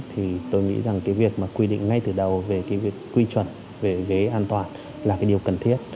thì tôi nghĩ rằng việc quy định ngay từ đầu về quy chuẩn về ghế an toàn là điều cần thiết